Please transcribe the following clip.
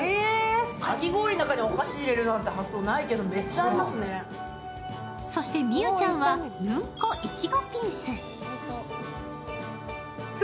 かき氷の中にお菓子入れるなんて発想ないけど、めっちゃ合いますねそして美羽ちゃんは、雪花いちごピンス。